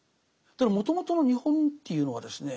もともとの日本というのはですね